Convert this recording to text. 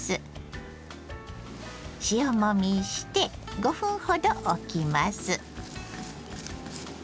塩もみして５分ほどおきます。